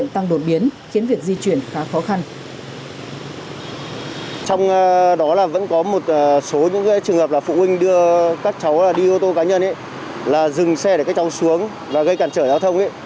trong đó là vẫn có một số những trường hợp là phụ huynh đưa các cháu đi ô tô cá nhân là dừng xe để các cháu xuống và gây cản trở giao thông